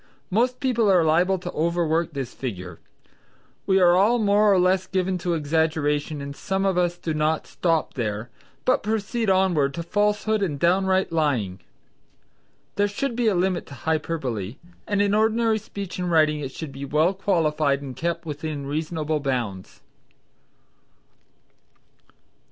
Most people are liable to overwork this figure. We are all more or less given to exaggeration and some of us do not stop there, but proceed onward to falsehood and downright lying. There should be a limit to hyperbole, and in ordinary speech and writing it should be well qualified and kept within reasonable bounds.